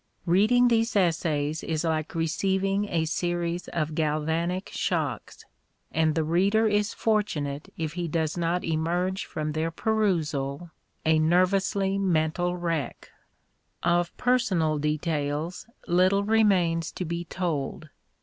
Reading these essays is like receiving a series of galvanic shocks, and the reader is fortunate if he does not emerge from their perusal a nervously mental wreck, Of personal details little remains to be told.